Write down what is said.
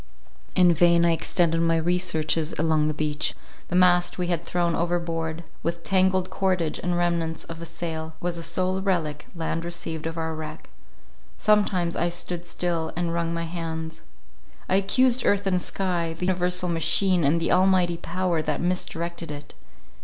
In vain I extended my researches along the beach; the mast we had thrown overboard, with tangled cordage, and remnants of a sail, was the sole relic land received of our wreck. Sometimes I stood still, and wrung my hands. I accused earth and sky —the universal machine and the Almighty power that misdirected it.